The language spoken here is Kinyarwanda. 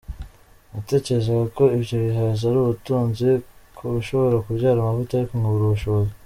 Natekerezaga ko ibyo bihaza ari ubutunzi ko bishobora kubyara amavuta ariko nkabura ubushobozi.